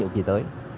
người ta phải